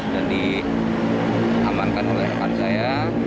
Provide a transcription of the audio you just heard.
dan diamankan oleh rekan saya